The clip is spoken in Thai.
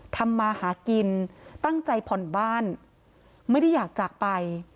ทำมาหากินตั้งใจผ่อนบ้านไม่ได้อยากจากไป